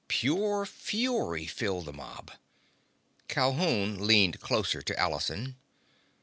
Pure fury filled the mob. Calhoun leaned closer to Allison.